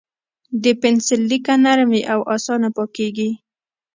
د پنسل لیکه نرم وي او اسانه پاکېږي.